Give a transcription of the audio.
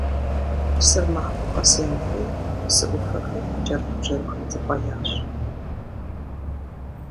Псыр махуэ къэс яуфӀей, псы Ӏуфэхэр кӀэрыхубжьэрыху идзыпӀэ ящӀ.